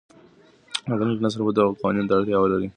راتلونکی نسل به دغو قوانینو ته اړتیا ولري.